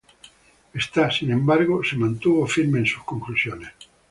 Esta, sin embargo, se mantuvo firme en sus conclusiones.